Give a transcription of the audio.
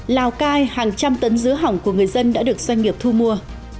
lào cai hàng trăm tấn dứa hỏng của người dân đã được doanh nghiệp thu mua